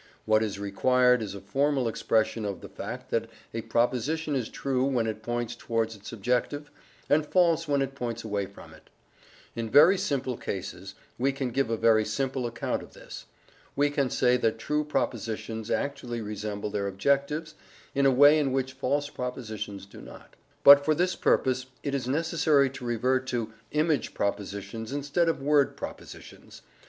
What is required is a formal expression of the fact that a proposition is true when it points towards its objective, and false when it points away from it, In very simple cases we can give a very simple account of this: we can say that true propositions actually resemble their objectives in a way in which false propositions do not. But for this purpose it is necessary to revert to image propositions instead of word propositions.